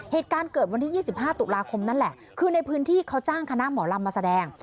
เหตุการณ์เกิดวันที่๒๕ตุลาคมนั่นแหละคือในพื้นที่เขาจ้างคณะหมอลำมาแสดง